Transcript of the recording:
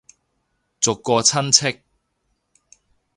逐個親戚